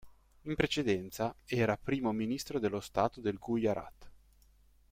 In precedenza era Primo ministro dello stato del Gujarat.